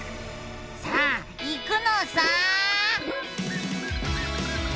さあいくのさ！